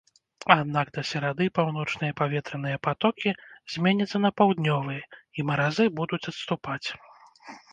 Аднак да серады паўночныя паветраныя патокі зменяцца на паўднёвыя і маразы будуць адступаць.